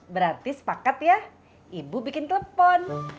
berarti sepakat ya ibu bikin telepon